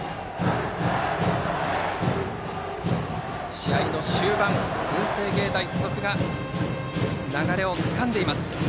試合の終盤、文星芸大付属が流れをつかんでいます。